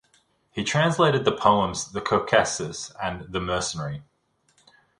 He translated the poems "The Caucasus" and "The Mercenary".